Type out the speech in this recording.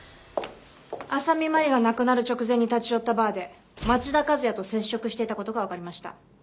浅見麻里が亡くなる直前に立ち寄ったバーで町田和也と接触していた事がわかりました。